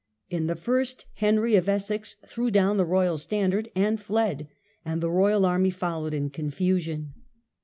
In the first Henry of Welsh wars. Essex threw down the royal standard and fled, and the royal army followed in confusion.